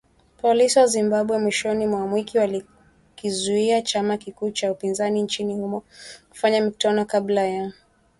Polisi wa Zimbabwe, mwishoni mwa wiki ,walikizuia chama kikuu cha upinzani nchini humo kufanya mikutano kabla ya uchaguzi wa machi ishirini na sita